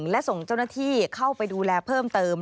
และส่งเจ้าหน้าที่เข้าไปดูแลเพิ่มเติม